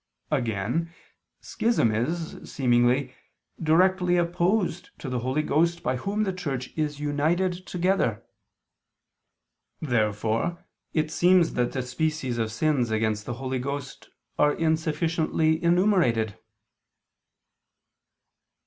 Again, schism is, seemingly, directly opposed to the Holy Ghost by Whom the Church is united together. Therefore it seems that the species of sins against the Holy Ghost are insufficiently enumerated.